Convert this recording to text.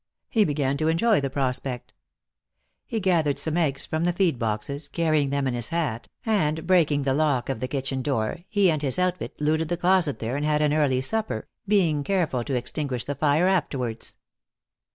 He began to enjoy the prospect. He gathered some eggs from the feed boxes, carrying them in his hat, and breaking the lock of the kitchen door he and his outfit looted the closet there and had an early supper, being careful to extinguish the fire afterwards.